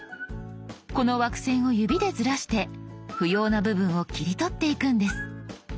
この枠線を指でずらして不要な部分を切り取っていくんです。